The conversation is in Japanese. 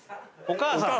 お母さん。